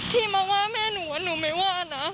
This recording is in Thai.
ที่มาว่าแม่หนูว่าหนูไม่ว่านะ